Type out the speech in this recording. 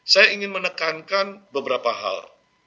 saya ingin menekankan beberapa hal